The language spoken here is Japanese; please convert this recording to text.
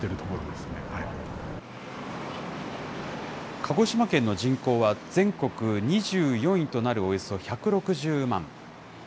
鹿児島県の人口は全国２４位となるおよそ１６０万。